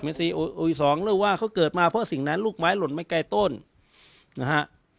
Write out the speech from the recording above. เหมือนซีอูยสองเรียกว่าเขาเกิดมาเพื่อสิ่งนั้นลูกไม้หล่นไม่ใกล้ต้นนะฮะ